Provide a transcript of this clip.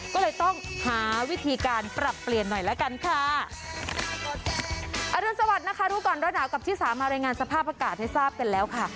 ก็เลยต้องหาวิธีการปรับเปลี่ยนหน่อยละกันค่ะอรุณสวัสดิ์นะคะรู้ก่อนร้อนหนาวกับชิสามารายงานสภาพอากาศให้ทราบกันแล้วค่ะ